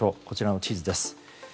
こちらの地図です。